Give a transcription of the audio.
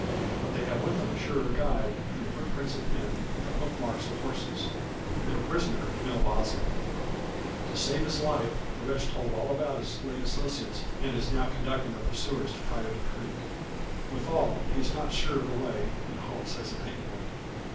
But they have with them a surer guide than the foot prints of men, or the hoof marks of horses their prisoner Bill Bosley. To save his life, the wretch told all about his late associates and is now conducting the pursuers to Coyote Creek. Withal, he is not sure of the way; and halts hesitatingly.